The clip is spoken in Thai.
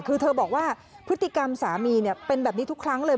คือเธอบอกว่าพฤติกรรมสามีเป็นแบบนี้ทุกครั้งเลย